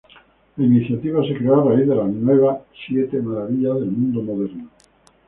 La iniciativa se creó a raíz de las Nuevas siete maravillas del mundo moderno.